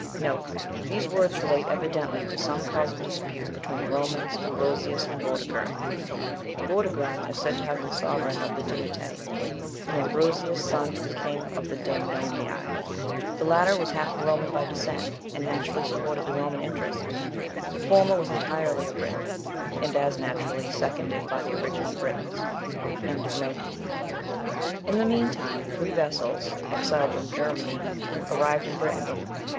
These words relate evidently to some cause of dispute between the Romans, Ambrosius, and Vortigern. Vortigern is said to have been sovereign of the Dimetae, and Ambrosius son to the king of the Damnonii. The latter was half a Roman by descent, and naturally supported the Roman interest: the former was entirely a Briton, and as naturally seconded by the original Britons. In the meantime, three vessels, exiled from Germany, arrived in Britain.